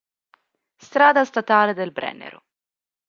Strada statale del Brennero